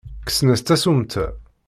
Kksen-as tasummta.